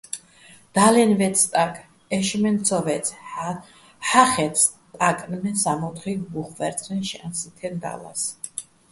და́ლენ ვე́წე̆ სტაკ, ე́შშმენ ცო ვე́წე̆, ჰ̦ახე́თე̆, სტაკნ მე სამო́თხი ვუხვე́რწრეჼ შანს ჲითეჼ და́ლას.